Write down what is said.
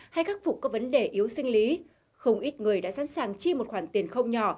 hay khắc phục các vấn đề yếu sinh lý không ít người đã sẵn sàng chi một khoản tiền không nhỏ